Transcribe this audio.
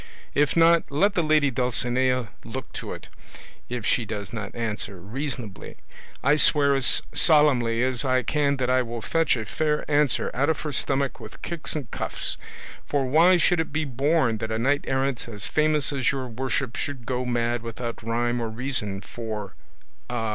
If not, let the lady Dulcinea look to it; if she does not answer reasonably, I swear as solemnly as I can that I will fetch a fair answer out of her stomach with kicks and cuffs; for why should it be borne that a knight errant as famous as your worship should go mad without rhyme or reason for a